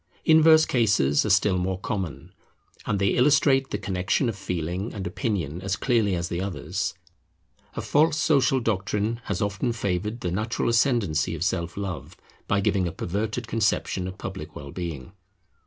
Inverse cases are still more common; and they illustrate the connexion of feeling and opinion as clearly as the others. A false social doctrine has often favoured the natural ascendency of Self love by giving a perverted conception of public well being.